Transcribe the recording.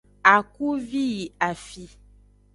Akuvi yi afi.